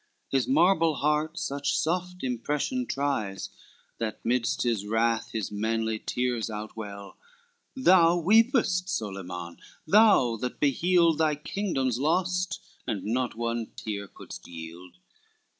His marble heart such soft impression tries, That midst his wrath his manly tears outwell, Thou weepest, Solyman, thou that beheld Thy kingdoms lost, and not one tear could yield.